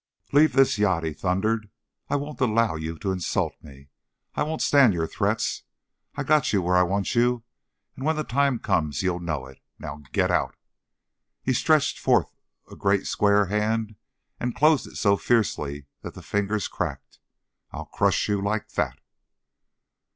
"Leave this yacht!" he thundered. "I won't allow you to insult me; I won't stand your threats. I've got you where I want you, and when the time comes you'll know it. Now, get out!" He stretched forth a great square hand and closed it so fiercely that the fingers cracked. "I'll crush you like that!"